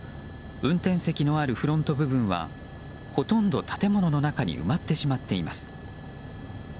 運転席のあるフロント部分はほとんど建物の中に埋まってしまっています。